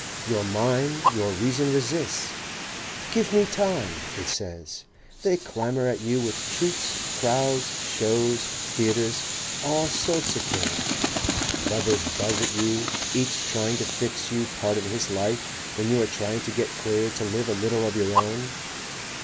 Your mind, your reason resists. "Give me time," it says. "They clamour at you with treats, crowds, shows, theatres, all sorts of things; lovers buzz at you, each trying to fix you part of his life when you are trying to get clear to live a little of your own."